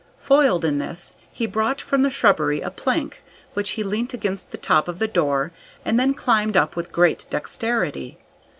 Foiled in this, he brought from the shrubbery a plank, which he leant against the top of the door and then climbed up with great dexterity.